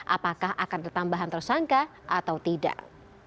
apakah akan tertambahan tersangka atau tidak